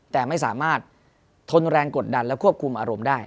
แต่ไม่สามารถทนแรงกดดันและควบคุมอารมณ์ได้